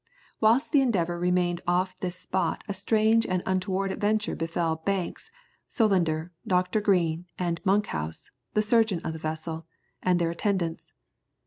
Whilst the Endeavour remained off this spot a strange and untoward adventure befell Banks, Solander, Dr. Green, and Monkhouse, the surgeon of the vessel, and their attendants.